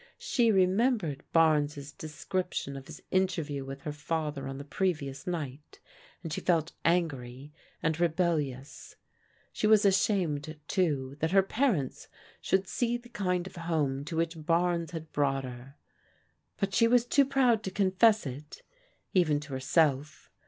She remembered Barnes* description of his interview with her father on the previous night, and she felt angry and rebellious. She was ashamedi too, that hsx ^^x^x^ 202 PRODIGAL DAUGHTERS should see the kind of home to which Barnes had brought her: but she was too proud to confess it, even to herself.